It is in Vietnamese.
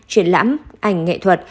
truyền lãm ảnh nghệ thuật